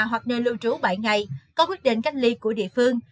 hoặc nơi lưu trú bảy ngày có quyết định cách ly của địa phương